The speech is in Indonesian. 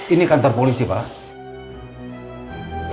ini kantor polisi pak